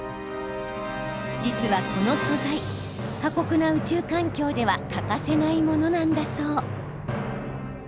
実は、この素材過酷な宇宙環境では欠かせないものなんだそう。